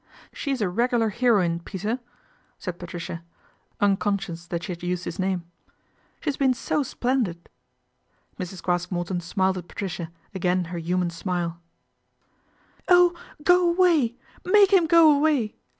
She's a regular heroine, Peter," said Patricia, mconscious that she had used his name. " She's >een so splendid." Mrs. Craske Morton smiled at Patricia, again icr human smile " Oh ! go away, make him go away